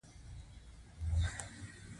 کوربه د نورو خوښي غواړي.